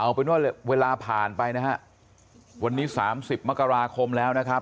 เอาเป็นว่าเวลาผ่านไปนะฮะวันนี้๓๐มกราคมแล้วนะครับ